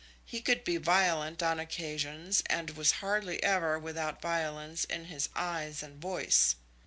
He could be violent on occasions, and was hardly ever without violence in his eyes and voice.